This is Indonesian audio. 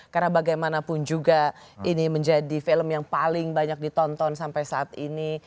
karena bagaimanapun juga ini menjadi film yang paling banyak ditonton sampai saat ini